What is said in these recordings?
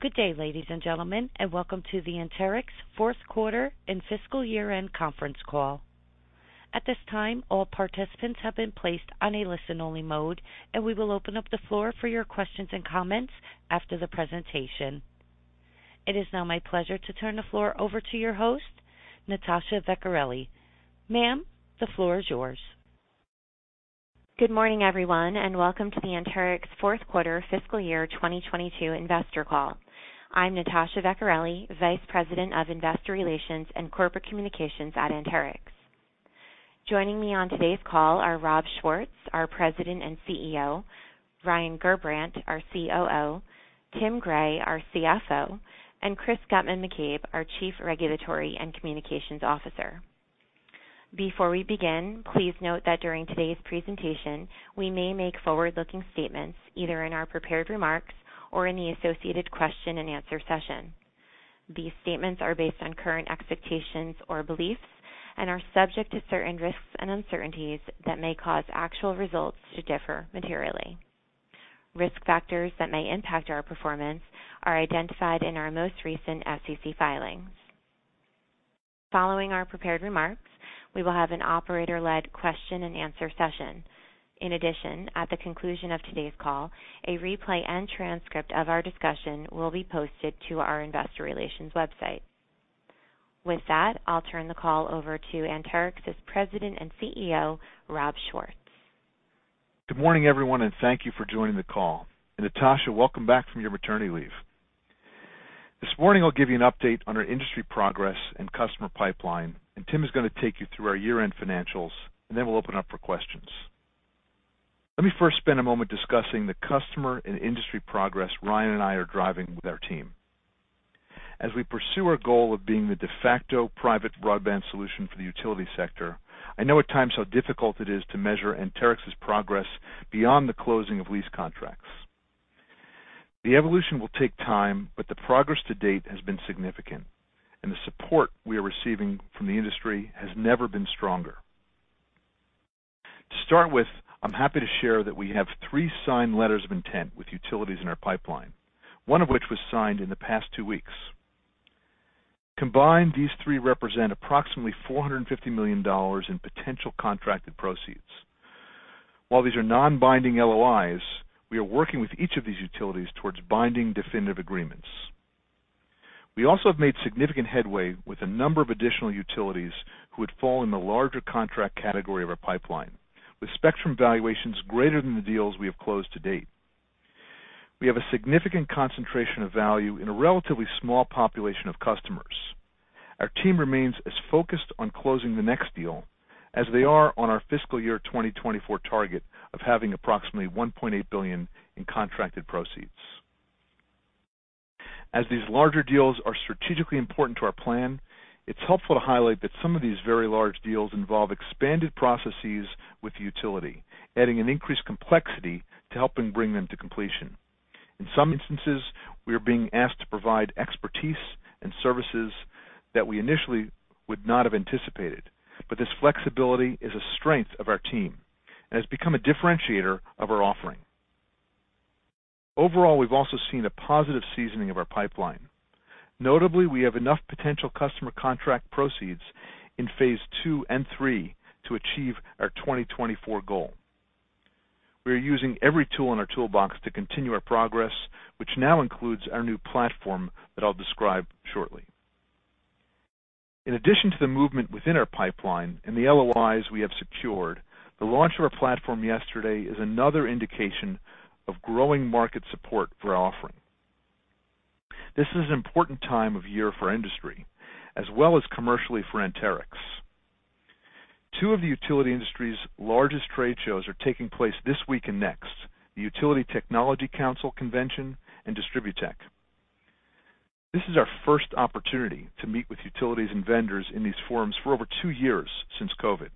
Good day, ladies and gentlemen, and welcome to the Anterix fourth quarter and fiscal year-end conference call. At this time, all participants have been placed on a listen-only mode, and we will open up the floor for your questions and comments after the presentation. It is now my pleasure to turn the floor over to your host, Natasha Vecchiarelli. Ma'am, the floor is yours. Good morning, everyone, and welcome to the Anterix fourth quarter fiscal year 2022 investor call. I'm Natasha Vecchiarelli, Vice President of Investor Relations and Corporate Communications at Anterix. Joining me on today's call are Rob Schwartz, our President and CEO, Ryan Gerbrandt, our COO, Tim Gray, our CFO, and Chris Guttman-McCabe, our Chief Regulatory and Communications Officer. Before we begin, please note that during today's presentation, we may make forward-looking statements either in our prepared remarks or in the associated question-and-answer session. These statements are based on current expectations or beliefs and are subject to certain risks and uncertainties that may cause actual results to differ materially. Risk factors that may impact our performance are identified in our most recent FCC filings. Following our prepared remarks, we will have an operator-led question-and-answer session. In addition, at the conclusion of today's call, a replay and transcript of our discussion will be posted to our investor relations website. With that, I'll turn the call over to Anterix's President and CEO, Rob Schwartz. Good morning, everyone, and thank you for joining the call. Natasha, welcome back from your maternity leave. This morning, I'll give you an update on our industry progress and customer pipeline, and Tim is gonna take you through our year-end financials, and then we'll open up for questions. Let me first spend a moment discussing the customer and industry progress Ryan and I are driving with our team. As we pursue our goal of being the de facto private broadband solution for the utility sector, I know at times how difficult it is to measure Anterix's progress beyond the closing of lease contracts. The evolution will take time, but the progress to date has been significant, and the support we are receiving from the industry has never been stronger. To start with, I'm happy to share that we have three signed letters of intent with utilities in our pipeline, one of which was signed in the past two weeks. Combined, these three represent approximately $450 million in potential contracted proceeds. While these are non-binding LOIs, we are working with each of these utilities towards binding definitive agreements. We also have made significant headway with a number of additional utilities who would fall in the larger contract category of our pipeline, with spectrum valuations greater than the deals we have closed to date. We have a significant concentration of value in a relatively small population of customers. Our team remains as focused on closing the next deal as they are on our fiscal year 2024 target of having approximately $1.8 billion in contracted proceeds. As these larger deals are strategically important to our plan, it's helpful to highlight that some of these very large deals involve expanded processes with the utility, adding an increased complexity to helping bring them to completion. In some instances, we are being asked to provide expertise and services that we initially would not have anticipated, but this flexibility is a strength of our team and has become a differentiator of our offering. Overall, we've also seen a positive seasoning of our pipeline. Notably, we have enough potential customer contract proceeds in Phase 2 and 3 to achieve our 2024 goal. We are using every tool in our toolbox to continue our progress, which now includes our new platform that I'll describe shortly. In addition to the movement within our pipeline and the LOIs we have secured, the launch of our platform yesterday is another indication of growing market support for our offering. This is an important time of year for industry as well as commercially for Anterix. Two of the utility industry's largest trade shows are taking place this week and next, the Utilities Technology Council Convention and DISTRIBUTECH. This is our first opportunity to meet with utilities and vendors in these forums for over two years since COVID.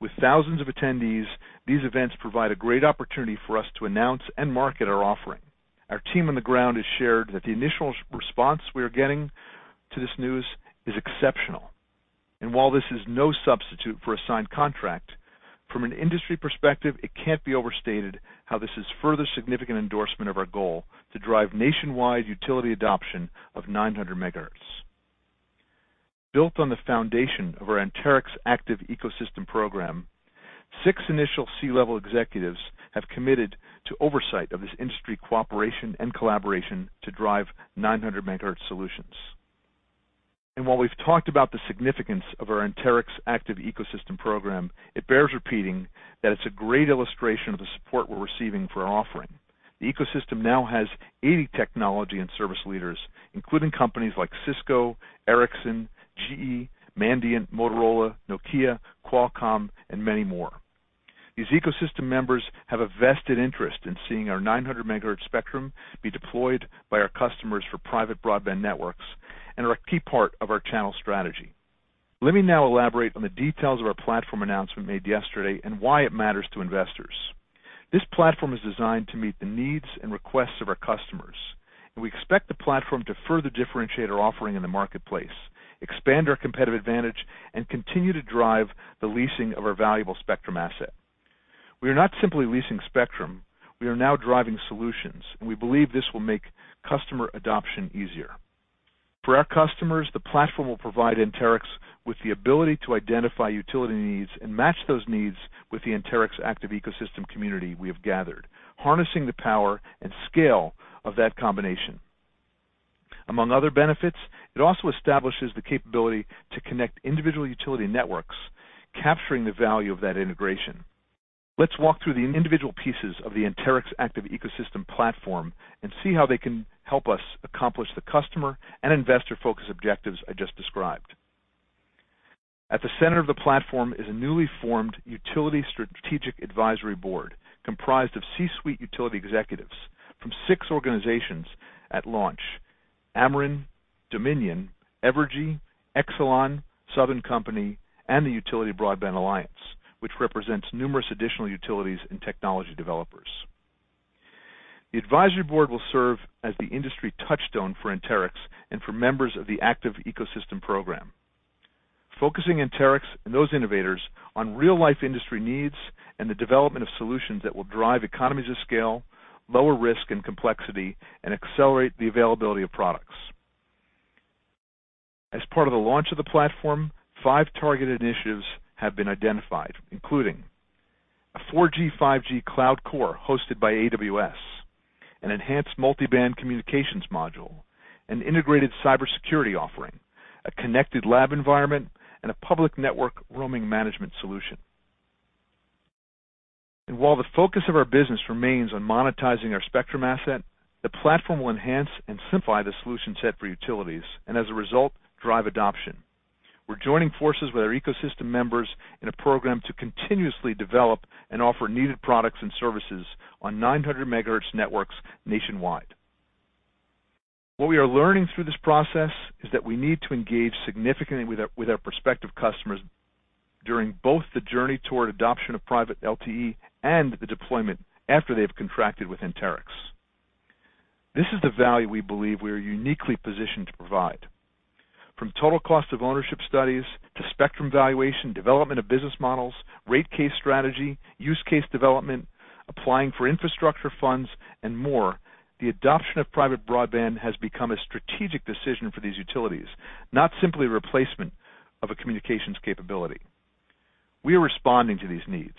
With thousands of attendees, these events provide a great opportunity for us to announce and market our offering. Our team on the ground has shared that the initial response we are getting to this news is exceptional. While this is no substitute for a signed contract, from an industry perspective, it can't be overstated how this is further significant endorsement of our goal to drive nationwide utility adoption of 900 MHz. Built on the foundation of our Anterix Active Ecosystem program, six initial C-level executives have committed to oversight of this industry cooperation and collaboration to drive 900 MHz solutions. While we've talked about the significance of our Anterix Active Ecosystem program, it bears repeating that it's a great illustration of the support we're receiving for our offering. The ecosystem now has 80 technology and service leaders, including companies like Cisco, Ericsson, GE, Mandiant, Motorola, Nokia, Qualcomm, and many more. These ecosystem members have a vested interest in seeing our 900 MHz spectrum be deployed by our customers for private broadband networks and are a key part of our channel strategy. Let me now elaborate on the details of our platform announcement made yesterday and why it matters to investors. This platform is designed to meet the needs and requests of our customers. We expect the platform to further differentiate our offering in the marketplace, expand our competitive advantage, and continue to drive the leasing of our valuable spectrum asset. We are not simply leasing spectrum, we are now driving solutions, and we believe this will make customer adoption easier. For our customers, the platform will provide Anterix with the ability to identify utility needs and match those needs with the Anterix Active Ecosystem community we have gathered, harnessing the power and scale of that combination. Among other benefits, it also establishes the capability to connect individual utility networks, capturing the value of that integration. Let's walk through the individual pieces of the Anterix Active Ecosystem platform and see how they can help us accomplish the customer and investor-focused objectives I just described. At the center of the platform is a newly formed utility strategic advisory board comprised of C-suite utility executives from six organizations at launch, Ameren, Dominion, Evergy, Exelon, Southern Company, and the Utility Broadband Alliance, which represents numerous additional utilities and technology developers. The advisory board will serve as the industry touchstone for Anterix and for members of the Active Ecosystem program, focusing Anterix and those innovators on real-life industry needs and the development of solutions that will drive economies of scale, lower risk and complexity, and accelerate the availability of products. As part of the launch of the platform, five targeted initiatives have been identified, including a 4G/5G cloud core hosted by AWS, an enhanced multi-band communications module, an integrated cybersecurity offering, a connected lab environment, and a public network roaming management solution. While the focus of our business remains on monetizing our spectrum asset, the platform will enhance and simplify the solution set for utilities, and as a result, drive adoption. We're joining forces with our ecosystem members in a program to continuously develop and offer needed products and services on 900 MHz networks nationwide. What we are learning through this process is that we need to engage significantly with our prospective customers during both the journey toward adoption of private LTE and the deployment after they've contracted with Anterix. This is the value we believe we are uniquely positioned to provide. From total cost of ownership studies to spectrum valuation, development of business models, rate case strategy, use case development, applying for infrastructure funds, and more, the adoption of private broadband has become a strategic decision for these utilities, not simply a replacement of a communications capability. We are responding to these needs.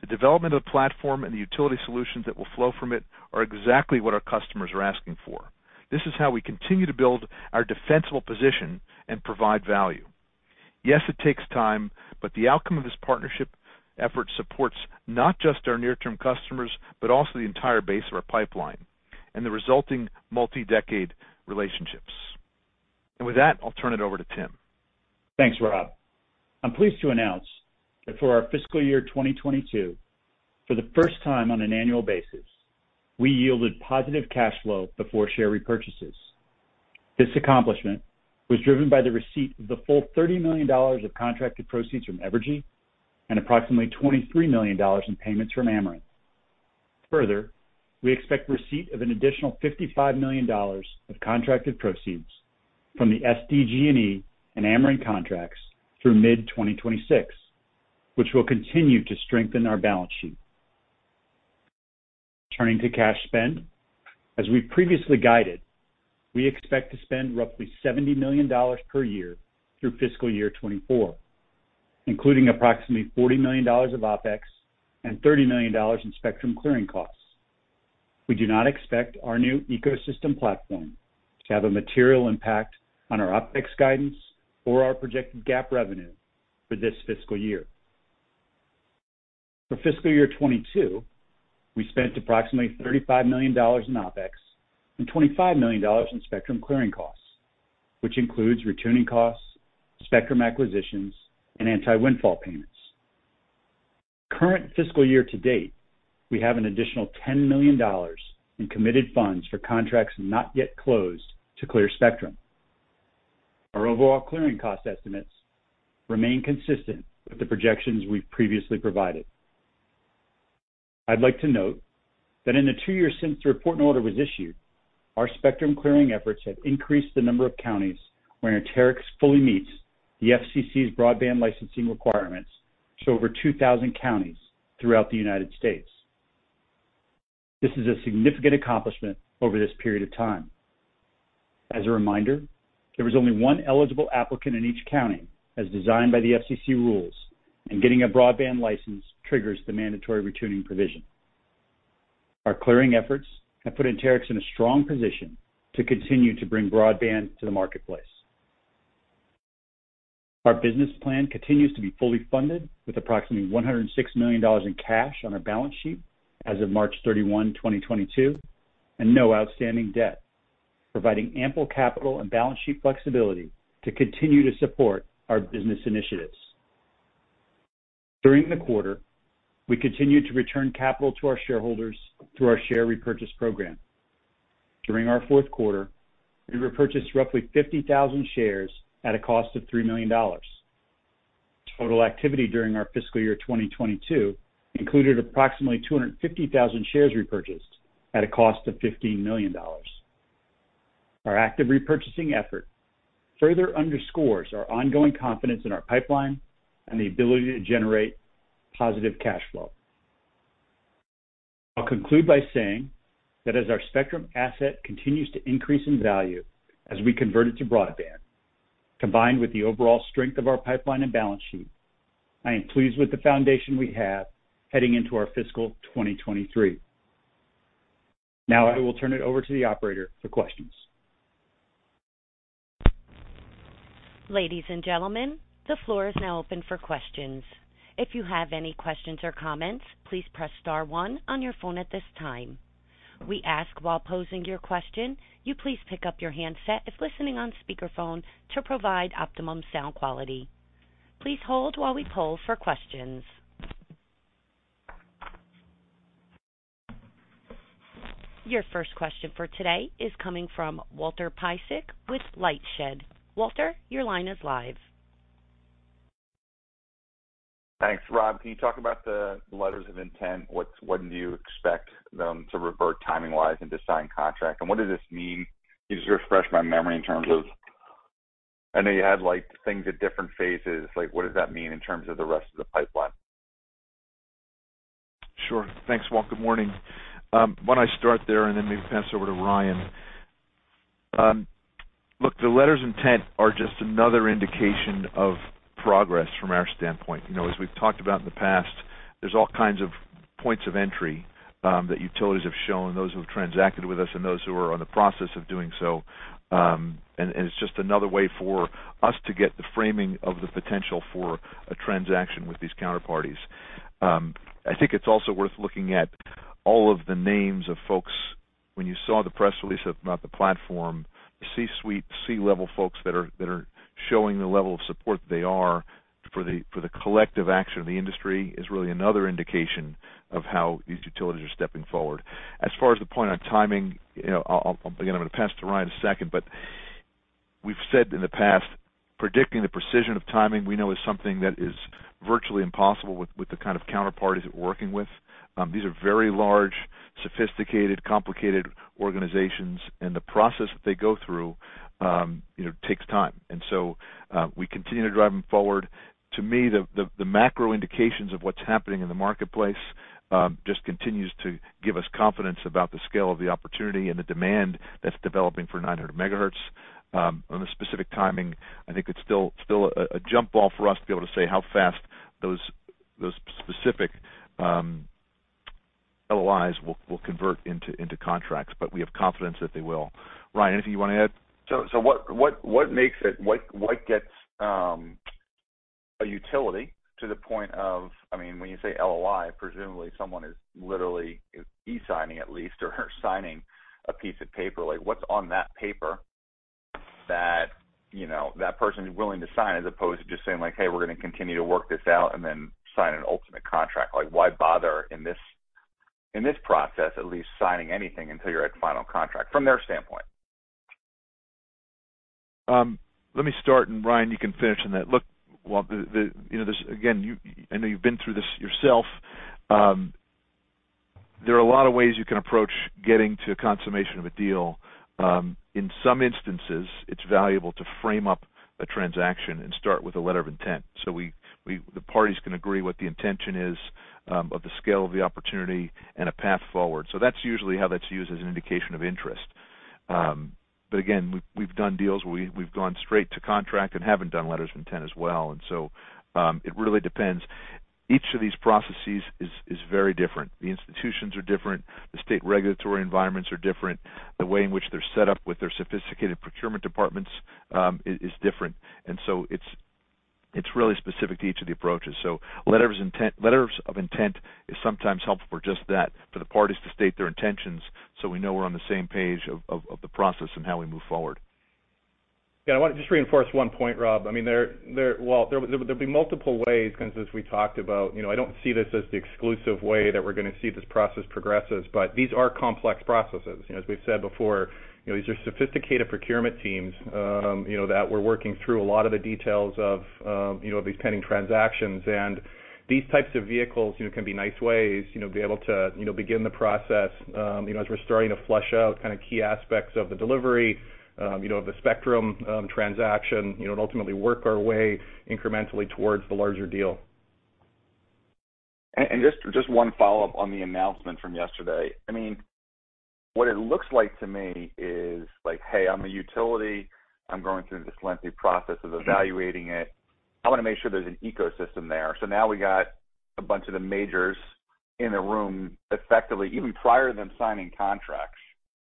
The development of the platform and the utility solutions that will flow from it are exactly what our customers are asking for. This is how we continue to build our defensible position and provide value. Yes, it takes time, but the outcome of this partnership effort supports not just our near-term customers, but also the entire base of our pipeline and the resulting multi-decade relationships. With that, I'll turn it over to Tim. Thanks, Rob. I'm pleased to announce that for our fiscal year 2022, for the first time on an annual basis, we yielded positive cash flow before share repurchases. This accomplishment was driven by the receipt of the full $30 million of contracted proceeds from Evergy and approximately $23 million in payments from Ameren. Further, we expect receipt of an additional $55 million of contracted proceeds from the SDG&E and Ameren contracts through mid-2026, which will continue to strengthen our balance sheet. Turning to cash spend. As we previously guided, we expect to spend roughly $70 million per year through fiscal year 2024, including approximately $40 million of OpEx and $30 million in spectrum clearing costs. We do not expect our new ecosystem platform to have a material impact on our OpEx guidance or our projected GAAP revenue for this fiscal year. For fiscal year 2022, we spent approximately $35 million in OpEx and $25 million in spectrum clearing costs, which includes retuning costs, spectrum acquisitions, and anti-windfall payments. Current fiscal year to date, we have an additional $10 million in committed funds for contracts not yet closed to clear spectrum. Our overall clearing cost estimates remain consistent with the projections we've previously provided. I'd like to note that in the two years since the report order was issued, our spectrum clearing efforts have increased the number of counties where Anterix fully meets the FCC's broadband licensing requirements to over 2,000 counties throughout the United States. This is a significant accomplishment over this period of time. As a reminder, there is only one eligible applicant in each county as designed by the FCC rules, and getting a broadband license triggers the mandatory retuning provision. Our clearing efforts have put Anterix in a strong position to continue to bring broadband to the marketplace. Our business plan continues to be fully funded with approximately $106 million in cash on our balance sheet as of March 31, 2022, and no outstanding debt, providing ample capital and balance sheet flexibility to continue to support our business initiatives. During the quarter, we continued to return capital to our shareholders through our share repurchase program. During our fourth quarter, we repurchased roughly 50,000 shares at a cost of $3 million. Total activity during our fiscal year 2022 included approximately 250,000 shares repurchased at a cost of $15 million. Our active repurchasing effort further underscores our ongoing confidence in our pipeline and the ability to generate positive cash flow. I'll conclude by saying that as our spectrum asset continues to increase in value as we convert it to broadband, combined with the overall strength of our pipeline and balance sheet, I am pleased with the foundation we have heading into our fiscal 2023. Now I will turn it over to the operator for questions. Ladies and gentlemen, the floor is now open for questions. If you have any questions or comments, please press star one on your phone at this time. We ask while posing your question, you please pick up your handset if listening on speakerphone to provide optimum sound quality. Please hold while we poll for questions. Your first question for today is coming from Walter Piecyk with LightShed. Walter, your line is live. Thanks, Rob. Can you talk about the letters of intent? What, when do you expect them to convert timing-wise into signed contract? What does this mean? Can you just refresh my memory in terms of, I know you had, like, things at different phases. Like, what does that mean in terms of the rest of the pipeline? Sure. Thanks, Walt. Good morning. Why don't I start there, and then maybe pass it over to Ryan. Look, the letters of intent are just another indication of progress from our standpoint. You know, as we've talked about in the past, there's all kinds of points of entry that utilities have shown, those who have transacted with us and those who are in the process of doing so. It's just another way for us to get the framing of the potential for a transaction with these counterparties. I think it's also worth looking at all of the names of folks when you saw the press release about the platform, the C-suite, C-level folks that are showing the level of support that they are for the collective action of the industry is really another indication of how these utilities are stepping forward. As far as the point on timing, you know, again, I'm gonna pass to Ryan in a second, but we've said in the past, predicting the precision of timing, we know is something that is virtually impossible with the kind of counterparties that we're working with. These are very large, sophisticated, complicated organizations, and the process that they go through, you know, takes time. We continue to drive them forward. To me, the macro indications of what's happening in the marketplace just continues to give us confidence about the scale of the opportunity and the demand that's developing for 900 MHz. On the specific timing, I think it's still a jump ball for us to be able to say how fast those specific LOIs will convert into contracts. We have confidence that they will. Ryan, anything you wanna add? What gets a utility to the point of, I mean, when you say LOI, presumably someone is literally e-signing at least or signing a piece of paper. Like, what's on that paper that, you know, that person is willing to sign as opposed to just saying like, "Hey, we're gonna continue to work this out," and then sign an ultimate contract. Like, why bother in this process at least signing anything until you're at final contract from their standpoint? Let me start, and Ryan, you can finish on that. Look, Walt, you know, this, again, I know you've been through this yourself. There are a lot of ways you can approach getting to consummation of a deal. In some instances, it's valuable to frame up a transaction and start with a letter of intent. We the parties can agree what the intention is, of the scale of the opportunity and a path forward. That's usually how that's used as an indication of interest. Again, we've done deals where we've gone straight to contract and haven't done letters of intent as well. It really depends. Each of these processes is very different. The institutions are different, the state regulatory environments are different. The way in which they're set up with their sophisticated procurement departments is different. It's really specific to each of the approaches. Letters of intent is sometimes helpful for just that, for the parties to state their intentions so we know we're on the same page of the process and how we move forward. Yeah. I wanna just reinforce one point, Rob. I mean, Walt, there'll be multiple ways, kind of as we talked about. You know, I don't see this as the exclusive way that we're gonna see this process progresses, but these are complex processes. You know, as we've said before, you know, these are sophisticated procurement teams that we're working through a lot of the details of, you know, these pending transactions. These types of vehicles, you know, can be nice ways, you know, to be able to, you know, begin the process, you know, as we're starting to flush out kind of key aspects of the delivery, you know, of the spectrum transaction, you know, and ultimately work our way incrementally towards the larger deal. Just one follow-up on the announcement from yesterday. I mean, what it looks like to me is like, hey, I'm a utility, I'm going through this lengthy process of evaluating it. I wanna make sure there's an ecosystem there. Now we got a bunch of the majors in a room effectively, even prior to them signing contracts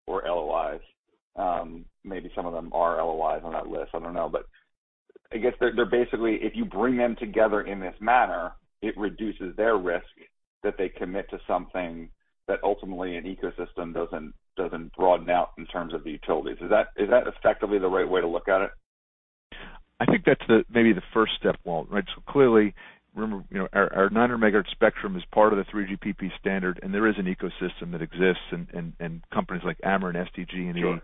or LOIs. Maybe some of them are LOIs on that list. I don't know. I guess they're basically, if you bring them together in this manner, it reduces their risk that they commit to something that ultimately an ecosystem doesn't broaden out in terms of the utilities. Is that effectively the right way to look at it? I think that's the, maybe the first step, Walt. Right? Clearly, remember, you know, our 900 MHz spectrum is part of the 3GPP standard, and there is an ecosystem that exists and companies like Ameren, SDG&E. Sure.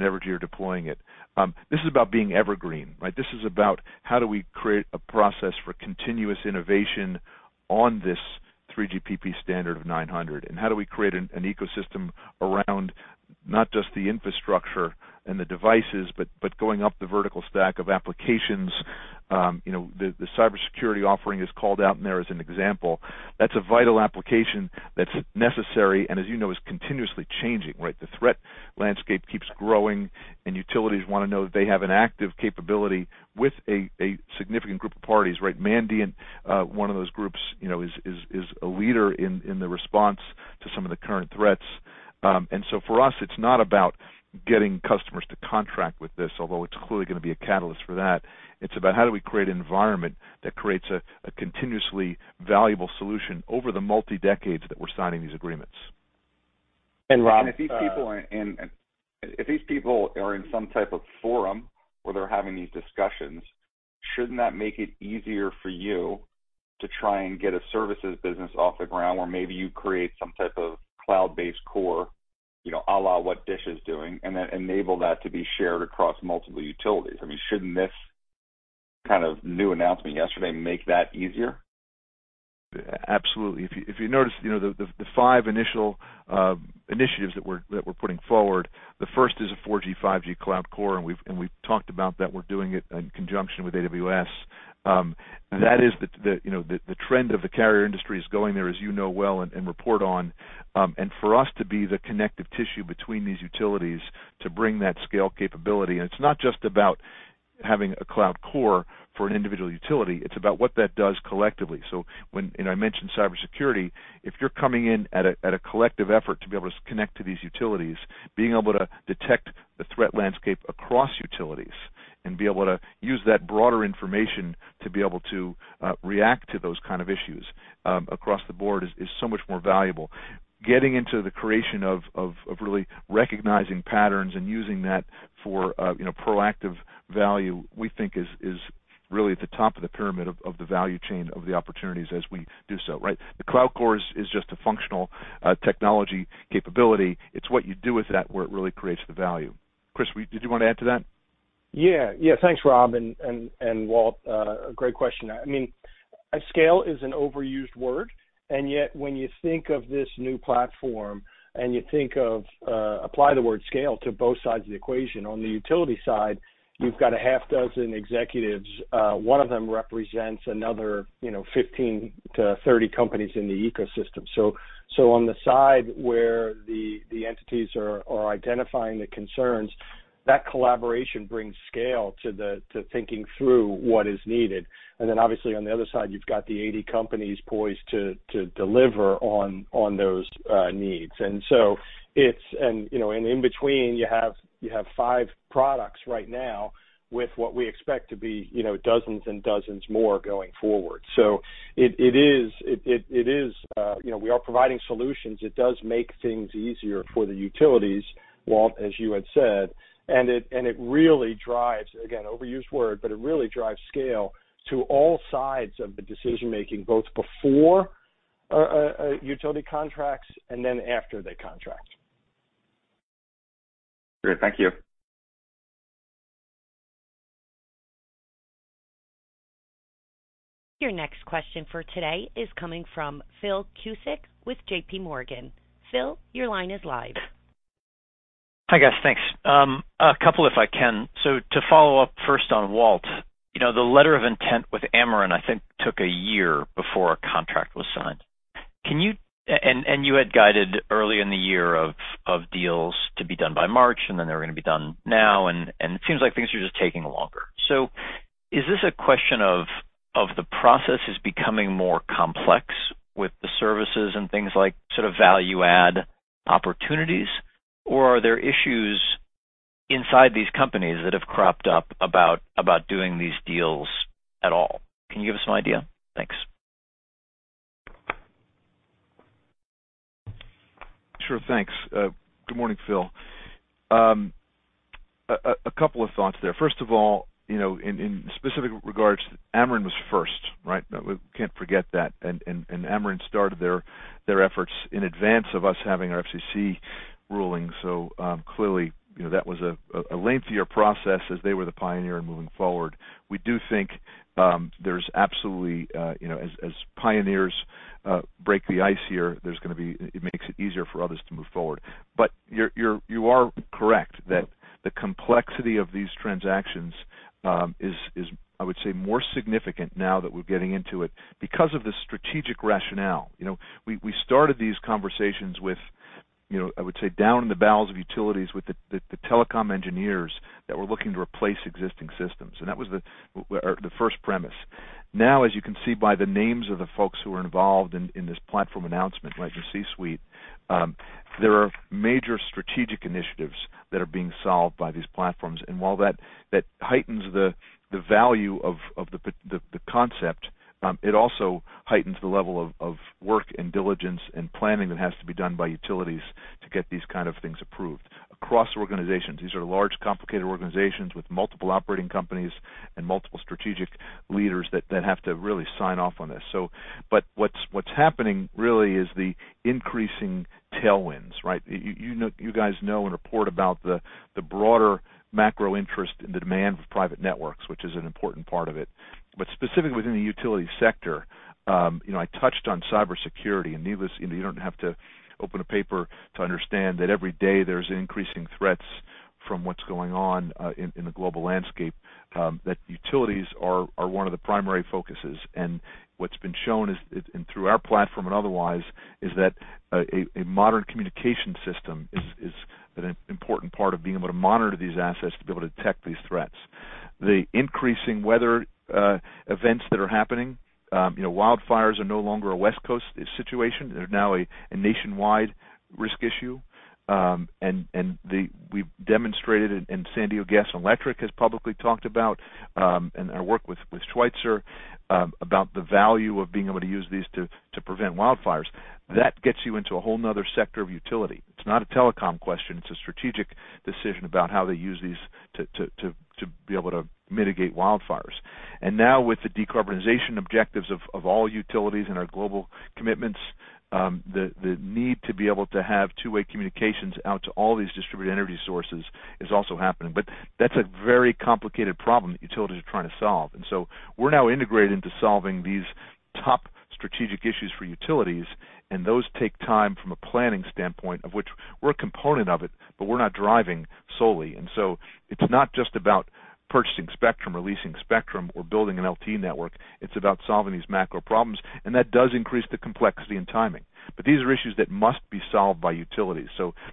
Every year deploying it. This is about being evergreen, right? This is about how do we create a process for continuous innovation on this 3GPP standard of 900, and how do we create an ecosystem around not just the infrastructure and the devices, but going up the vertical stack of applications. You know, the cybersecurity offering is called out in there as an example. That's a vital application that's necessary and as you know, is continuously changing, right? The threat landscape keeps growing, and utilities wanna know that they have an active capability with a significant group of parties, right? Mandiant, one of those groups, you know, is a leader in the response to some of the current threats. For us, it's not about getting customers to contract with this, although it's clearly gonna be a catalyst for that. It's about how do we create an environment that creates a continuously valuable solution over the multi decades that we're signing these agreements. Rob, if these people are in some type of forum where they're having these discussions, shouldn't that make it easier for you to try and get a services business off the ground, where maybe you create some type of cloud-based core, you know, à la what Dish is doing, and then enable that to be shared across multiple utilities? I mean, shouldn't this kind of new announcement yesterday make that easier? Absolutely. If you notice, you know, the five initial initiatives that we're putting forward, the first is a 4G/5G cloud core, and we've talked about that we're doing it in conjunction with AWS. That is the trend of the carrier industry is going there, as you know well and report on. For us to be the connective tissue between these utilities to bring that scale capability, and it's not just about having a cloud core for an individual utility, it's about what that does collectively, and I mentioned cybersecurity. If you're coming in at a collective effort to be able to connect to these utilities, being able to detect the threat landscape across utilities and be able to use that broader information to be able to react to those kind of issues across the board is so much more valuable. Getting into the creation of really recognizing patterns and using that for you know, proactive value, we think is really at the top of the pyramid of the value chain of the opportunities as we do so, right? The cloud core is just a functional technology capability. It's what you do with that where it really creates the value. Chris, did you wanna add to that? Yeah. Thanks, Rob, and Walt, great question. I mean, scale is an overused word, and yet when you think of this new platform and you think of applying the word scale to both sides of the equation, on the utility side, you've got a half dozen executives. One of them represents another, you know, 15-30 companies in the ecosystem. So on the side where the entities are identifying the concerns, that collaboration brings scale to the thinking through what is needed. Then obviously on the other side, you've got the 80 companies poised to deliver on those needs. So it's. You know, in between, you have five products right now with what we expect to be, you know, dozens and dozens more going forward. It is, you know, we are providing solutions. It does make things easier for the utilities, Walt, as you had said, and it really drives, again, overused word, but it really drives scale to all sides of the decision-making, both before utility contracts and then after they contract. Great. Thank you. Your next question for today is coming from Philip Cusick with JPMorgan. Phil, your line is live. Hi, guys. Thanks. A couple, if I can. To follow up first on Walt, you know, the letter of intent with Ameren, I think, took a year before a contract was signed. Can you and you had guided early in the year of deals to be done by March, and then they were gonna be done now, and it seems like things are just taking longer. Is this a question of the process is becoming more complex with the services and things like sort of value add opportunities, or are there issues inside these companies that have cropped up about doing these deals at all? Can you give us an idea? Thanks. Sure. Thanks. Good morning, Phil. A couple of thoughts there. First of all, you know, in specific regards, Ameren was first, right? We can't forget that. Ameren started their efforts in advance of us having our FCC ruling. Clearly, you know, that was a lengthier process as they were the pioneer in moving forward. We do think there's absolutely you know, as pioneers break the ice here, there's gonna be it makes it easier for others to move forward. You're correct that the complexity of these transactions is more significant now that we're getting into it because of the strategic rationale. You know, we started these conversations with, you know, I would say, down in the bowels of utilities with the telecom engineers that were looking to replace existing systems, and that was the first premise. Now, as you can see by the names of the folks who are involved in this platform announcement, like your C-suite, there are major strategic initiatives that are being solved by these platforms. While that heightens the value of the concept, it also heightens the level of work and diligence and planning that has to be done by utilities to get these kind of things approved. Across organizations, these are large, complicated organizations with multiple operating companies and multiple strategic leaders that have to really sign off on this. What's happening really is the increasing tailwinds, right? You guys know and report about the broader macro interest in the demand for private networks, which is an important part of it. Specifically within the utility sector, you know, I touched on cybersecurity, and you know, you don't have to open a paper to understand that every day there's increasing threats from what's going on in the global landscape that utilities are one of the primary focuses. What's been shown is and through our platform and otherwise is that a modern communication system is an important part of being able to monitor these assets to be able to detect these threats. The increasing weather events that are happening, you know, wildfires are no longer a West Coast situation. They're now a nationwide risk issue. We've demonstrated, and San Diego Gas & Electric has publicly talked about, and our work with Schweitzer, about the value of being able to use these to prevent wildfires. That gets you into a whole another sector of utility. It's not a telecom question, it's a strategic decision about how they use these to be able to mitigate wildfires. Now with the decarbonization objectives of all utilities and our global commitments, the need to be able to have two-way communications out to all these distributed energy sources is also happening. That's a very complicated problem that utilities are trying to solve. We're now integrated into solving these top strategic issues for utilities, and those take time from a planning standpoint, of which we're a component of it, but we're not driving solely. It's not just about purchasing spectrum or leasing spectrum or building an LTE network, it's about solving these macro problems, and that does increase the complexity and timing. These are issues that must be solved by utilities.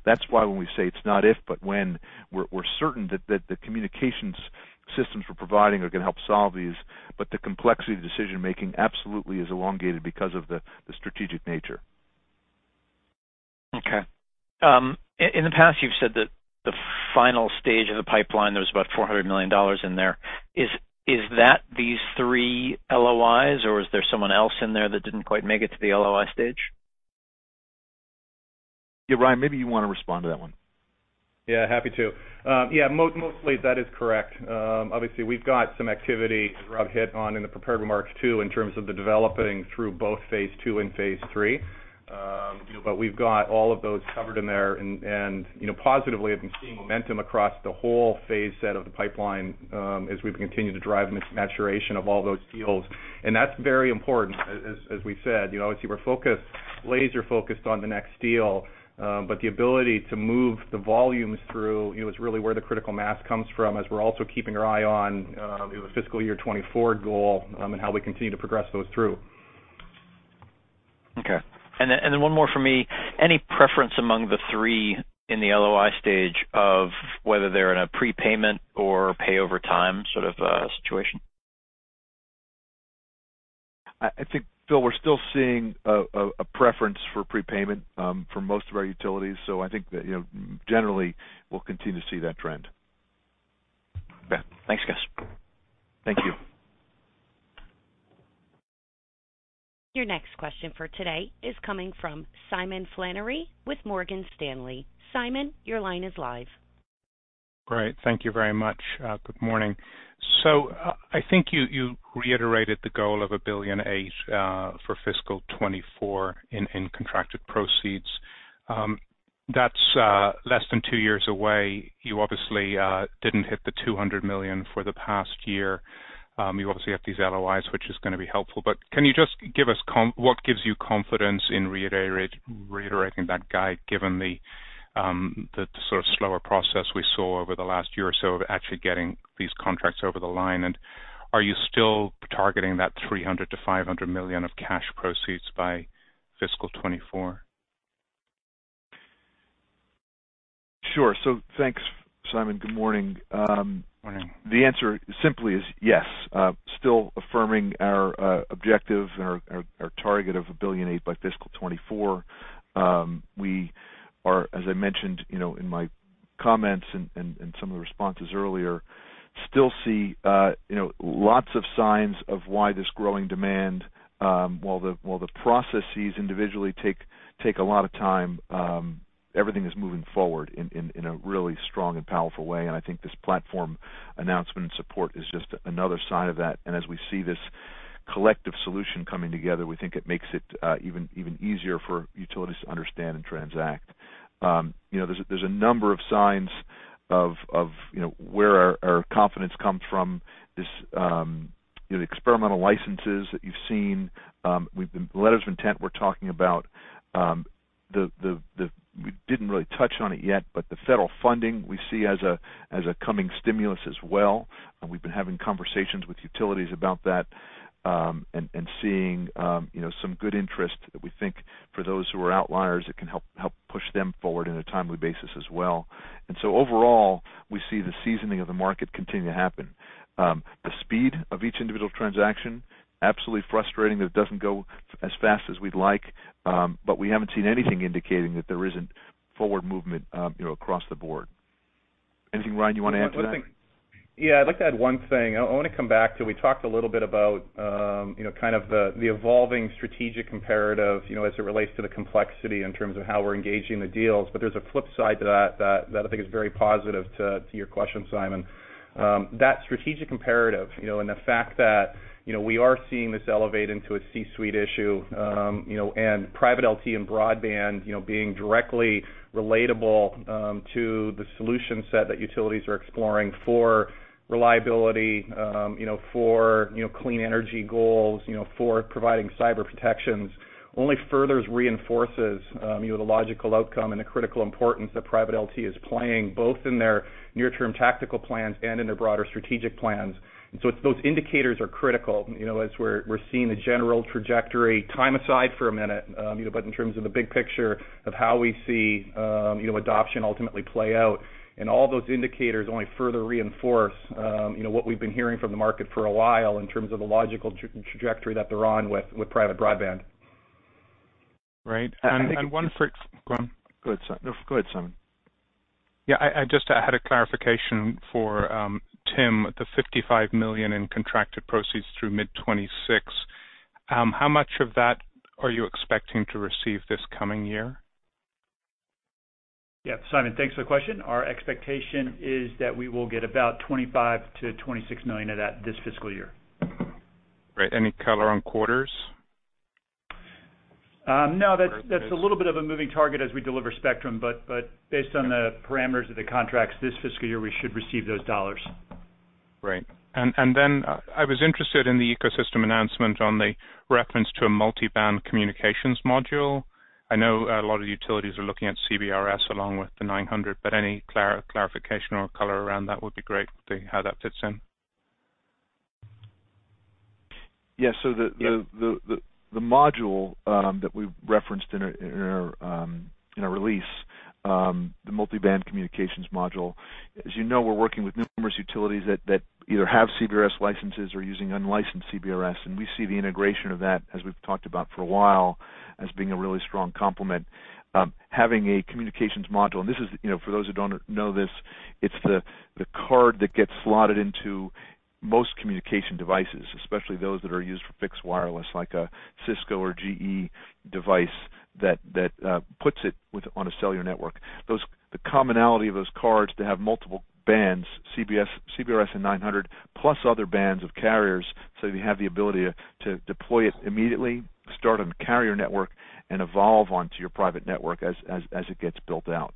That's why when we say it's not if, but when, we're certain that the communications systems we're providing are gonna help solve these. The complexity of the decision-making absolutely is elongated because of the strategic nature. In the past, you've said that the final stage of the pipeline, there was about $400 million in there. Is that these three LOIs or is there someone else in there that didn't quite make it to the LOI stage? Yeah, Ryan, maybe you wanna respond to that one. Yeah, happy to. Mostly that is correct. Obviously we've got some activity that Rob hit on in the prepared remarks, too, in terms of the developing through both Phase 2 and Phase 3. You know, but we've got all of those covered in there and, you know, positively have been seeing momentum across the whole phase set of the pipeline, as we've continued to drive maturation of all those deals. That's very important. As we said, you know, obviously we're focused, laser-focused on the next deal, but the ability to move the volumes through, you know, is really where the critical mass comes from, as we're also keeping our eye on the fiscal year 2024 goal, and how we continue to progress those through. Okay. One more from me. Any preference among the three in the LOI stage of whether they're in a prepayment or pay over time sort of situation? I think, Phil, we're still seeing a preference for prepayment for most of our utilities. I think that, you know, generally we'll continue to see that trend. Okay. Thanks, guys. Thank you. Your next question for today is coming from Simon Flannery with Morgan Stanley. Simon, your line is live. Great. Thank you very much. Good morning. I think you reiterated the goal of $1.8 billion for fiscal 2024 in contracted proceeds. That's less than two years away. You obviously didn't hit the $200 million for the past year. You obviously have these LOIs, which is gonna be helpful. Can you just give us what gives you confidence in reiterating that guide given the sort of slower process we saw over the last year or so of actually getting these contracts over the line? And are you still targeting that $300 million-$500 million of cash proceeds by fiscal 2024? Sure. Thanks, Simon. Good morning. Morning. The answer simply is yes. Still affirming our objective and our target of $1.8 billion by fiscal 2024. We are, as I mentioned, you know, in my comments and some of the responses earlier, still see you know, lots of signs of why there's growing demand. While the processes individually take a lot of time, everything is moving forward in a really strong and powerful way, and I think this platform announcement and support is just another sign of that. As we see this collective solution coming together, we think it makes it even easier for utilities to understand and transact. You know, there's a number of signs of you know, where our confidence comes from. This you know, the experimental licenses that you've seen. Letters of intent we're talking about. We didn't really touch on it yet, but the federal funding we see as a coming stimulus as well, and we've been having conversations with utilities about that, and seeing, you know, some good interest that we think for those who are outliers, it can help push them forward in a timely basis as well. Overall, we see the seasoning of the market continue to happen. The speed of each individual transaction absolutely frustrating that it doesn't go as fast as we'd like, but we haven't seen anything indicating that there isn't forward movement, you know, across the board. Anything, Ryan, you wanna add to that? Yeah, I'd like to add one thing. I wanna come back to, we talked a little bit about, you know, kind of the evolving strategic imperative, you know, as it relates to the complexity in terms of how we're engaging the deals. There's a flip side to that I think is very positive to your question, Simon. That strategic imperative, you know, and the fact that, you know, we are seeing this elevate into a C-suite issue, you know, and private LTE and broadband, you know, being directly relatable, to the solution set that utilities are exploring for reliability, you know, for, you know, clean energy goals, you know, for providing cyber protections only furthers, reinforces, you know, the logical outcome and the critical importance that private LTE is playing, both in their near-term tactical plans and in their broader strategic plans. It's those indicators are critical, you know, as we're seeing the general trajectory, time aside for a minute, you know, but in terms of the big picture of how we see, you know, adoption ultimately play out, and all those indicators only further reinforce, you know, what we've been hearing from the market for a while in terms of the logical trajectory that they're on with private broadband. Right. Go on. Go ahead. No, go ahead, Simon. Yeah. I just had a clarification for Tim, the $55 million in contracted proceeds through mid-2026. How much of that are you expecting to receive this coming year? Yeah. Simon, thanks for the question. Our expectation is that we will get about $25 million-$26 million of that this fiscal year. Great. Any color on quarters? No. That's a little bit of a moving target as we deliver spectrum, but based on the parameters of the contracts this fiscal year, we should receive those dollars. Great. I was interested in the ecosystem announcement on the reference to a multiband communications module. I know a lot of utilities are looking at CBRS along with the 900, but any clarification or color around that would be great to how that fits in. Yeah. Yeah. The module that we've referenced in our release, the multiband communications module, as you know, we're working with numerous utilities that either have CBRS licenses or using unlicensed CBRS, and we see the integration of that, as we've talked about for a while, as being a really strong complement. Having a communications module, and this is, you know, for those who don't know this, it's the card that gets slotted into most communication devices, especially those that are used for fixed wireless, like a Cisco or GE device that puts it on a cellular network. The commonality of those cards to have multiple bands, CBRS and 900 plus other bands of carriers, so they have the ability to deploy it immediately, start on the carrier network, and evolve onto your private network as it gets built out.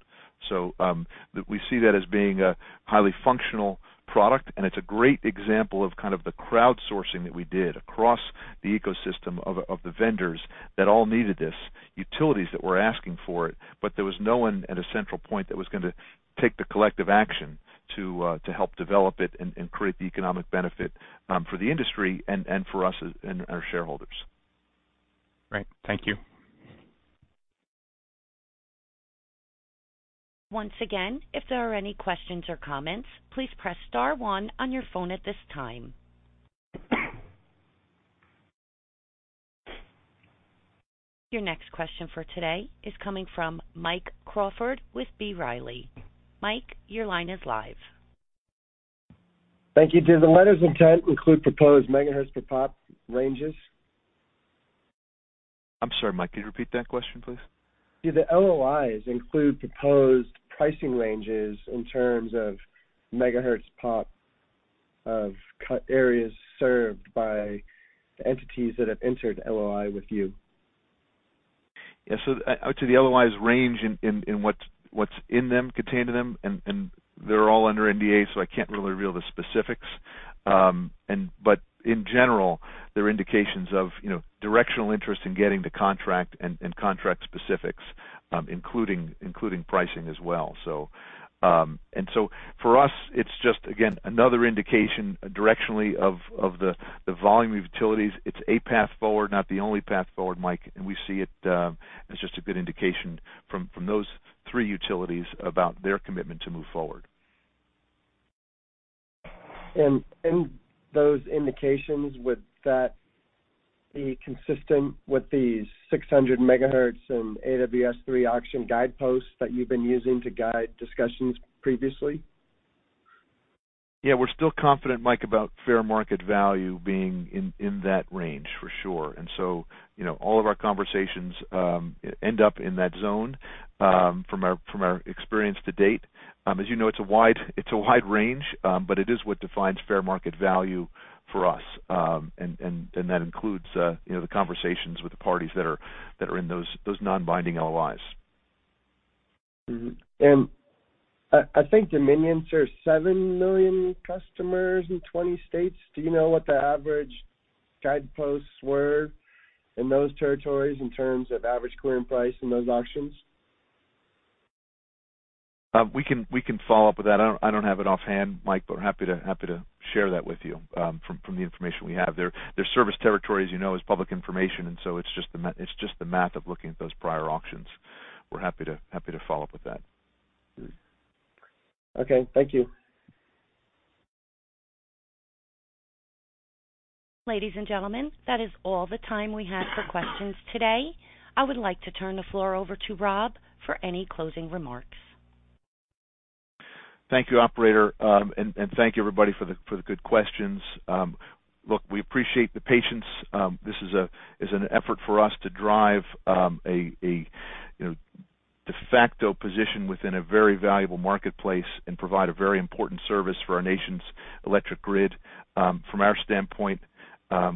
We see that as being a highly functional product, and it's a great example of kind of the crowdsourcing that we did across the ecosystem of the vendors that all needed this, utilities that were asking for it, but there was no one at a central point that was gonna take the collective action to help develop it and create the economic benefit for the industry and for us and our shareholders. Great. Thank you. Once again, if there are any questions or comments, please press star one on your phone at this time. Your next question for today is coming from Mike Crawford with B. Riley. Mike, your line is live. Thank you. Do the letters of intent include proposed megahertz per pop ranges? I'm sorry, Mike, could you repeat that question, please? Do the LOIs include proposed pricing ranges in terms of megahertz pop of areas served by the entities that have entered LOI with you? Yeah. To the LOIs range and what's in them, contained in them, and they're all under NDA, so I can't really reveal the specifics. But in general, they're indications of, you know, directional interest in getting the contract and contract specifics, including pricing as well. For us, it's just again another indication directionally of the volume of utilities. It's a path forward, not the only path forward, Mike. We see it as just a good indication from those three utilities about their commitment to move forward. In those indications, would that be consistent with the 600 MHz and AWS-3 auction guideposts that you've been using to guide discussions previously? Yeah. We're still confident, Mike, about fair market value being in that range for sure. You know, all of our conversations end up in that zone from our experience to date. As you know, it's a wide range, but it is what defines fair market value for us. And that includes you know, the conversations with the parties that are in those non-binding LOIs. I think Dominion's 7 million customers in 20 states. Do you know what the average guideposts were in those territories in terms of average clearing price in those auctions? We can follow up with that. I don't have it offhand, Mike, but happy to share that with you, from the information we have. Their service territory, as you know, is public information, and so it's just the math of looking at those prior auctions. We're happy to follow up with that. Okay. Thank you. Ladies and gentlemen, that is all the time we have for questions today. I would like to turn the floor over to Rob for any closing remarks. Thank you, operator. Thank you, everybody, for the good questions. Look, we appreciate the patience. This is an effort for us to drive you know a de facto position within a very valuable marketplace and provide a very important service for our nation's electric grid. From our standpoint,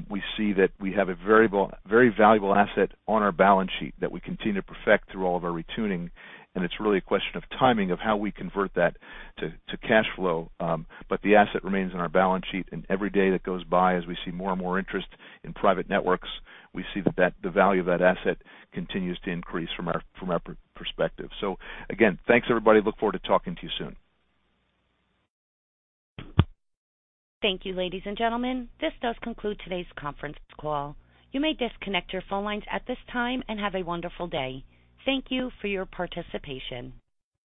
we see that we have a very valuable asset on our balance sheet that we continue to perfect through all of our retuning, and it's really a question of timing of how we convert that to cash flow. The asset remains on our balance sheet, and every day that goes by, as we see more and more interest in private networks, we see that the value of that asset continues to increase from our perspective. Again, thanks, everybody. Look forward to talking to you soon. Thank you, ladies and gentlemen. This does conclude today's conference call. You may disconnect your phone lines at this time, and have a wonderful day. Thank you for your participation.